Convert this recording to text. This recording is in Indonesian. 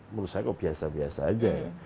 menurut saya kok biasa biasa aja ya